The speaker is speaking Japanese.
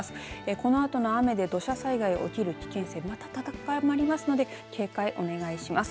このあとの雨で土砂災害、起きる危険性また高まりますので警戒お願いします。